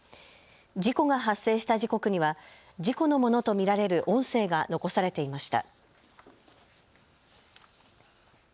事故が発生した時刻には事故のものと見られる音声が残されていました。